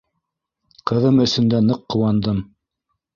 Ҡыҙым өсөн дә ныҡ ҡыуандым.